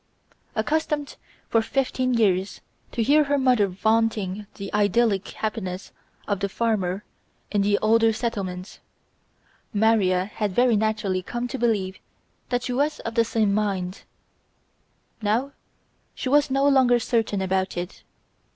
Accustomed for fifteen years to hear her mother vaunting the idyllic happiness of the farmer in the older settlements, Maria had very naturally come to believe that she was of the same mind; now she was no longer certain about it.